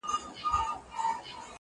پر هر ځای چي به ملګري وه ښاغلي!